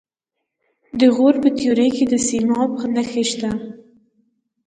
د غور په تیوره کې د سیماب نښې شته.